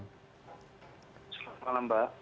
selamat malam pak